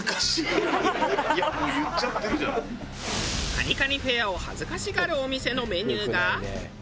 蟹蟹フェアを恥ずかしがるお店のメニューが。